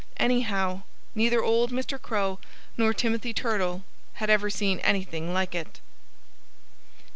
Anyhow, neither old Mr. Crow nor Timothy Turtle had ever seen anything like it.